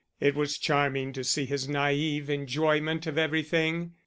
It was charming to see his naïve enjoyment of everything.